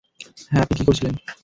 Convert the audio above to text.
হ্যাঁ, আপনি কি করছিলেন?